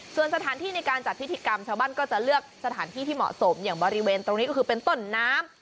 ส่วนสถานที่ในการจัดพิธีกรรมชาวบ้านก็จะเลือกสถานที่ที่เหมาะสมอย่างบริเวณตรงนี้ก็คือเป็นต้นน้ำ